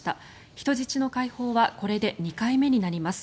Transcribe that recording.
人質の解放はこれで２回目になります。